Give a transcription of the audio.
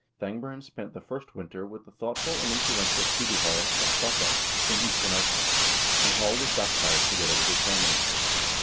Thangbrand spent the first winter with the thoughtful and influential Sidu Hall at pottaa, in eastern Iceland, and Hall was baptized, together with his family.